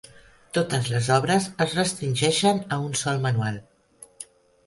Totes les obres es restringeixen a un sol manual.